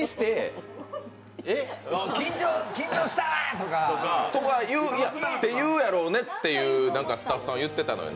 「緊張した」とかって言うやろねってスタッフさんは言ってたのよ。